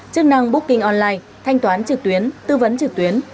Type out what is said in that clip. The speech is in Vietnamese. chức năng booking online thanh toán trực tuyến tư vấn trực tuyến